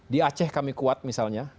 di aceh kami kuat misalnya